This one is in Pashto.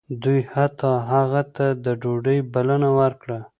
دوی حتی هغه ته د ډوډۍ بلنه ورکړه